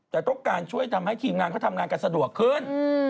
แต่ต้องการช่วยทำให้ทีมงานเขาทำงานกันสะดวกขึ้น